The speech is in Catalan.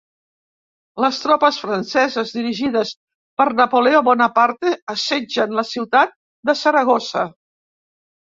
Les tropes franceses dirigides per Napoleó Bonaparte assetgen la ciutat de Saragossa.